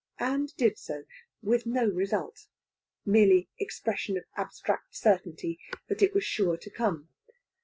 And did so, with no result; merely expression of abstract certainty that it was sure to come.